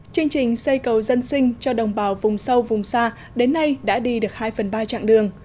chương trình xây cầu dân sinh cho đồng bào vùng sâu vùng xa đến nay đã đi được hai phần ba trạng đường